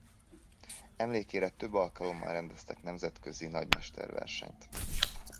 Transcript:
Emlékére több alkalommal rendeztek nemzetközi nagymesterversenyt.